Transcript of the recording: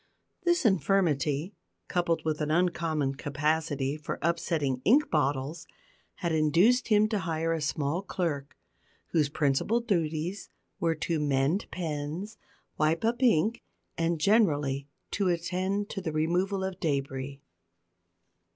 This infirmity, coupled with an uncommon capacity for upsetting ink bottles, had induced him to hire a small clerk, whose principal duties were to mend pens, wipe up ink, and, generally, to attend to the removal of debris.